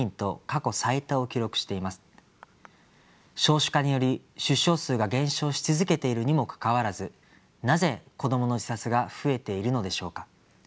少子化により出生数が減少し続けているにもかかわらずなぜ子どもの自殺が増えているのでしょうか。